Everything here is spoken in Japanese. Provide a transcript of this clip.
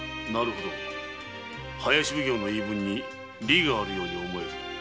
なるほど林奉行の言い分に理があるように思える。